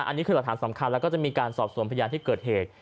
อันนี้คือหลักฐานสำคัญแล้วก็จะมีการสอบส่วนพยานที่เกิดเหตุ